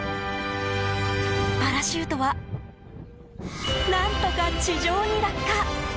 パラシュートは何とか地上に落下。